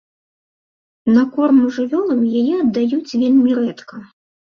На корм жывёлам яе аддаюць вельмі рэдка.